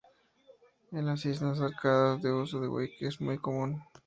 En las islas Orcadas, el uso de "wick" es muy común.